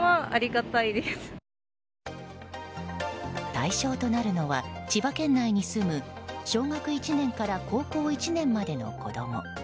対象となるのは千葉県内に住む小学１年から高校１年までの子供。